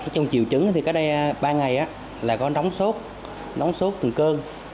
trong triệu chứng thì có đây ba ngày là có nóng sốt nóng sốt từng cơn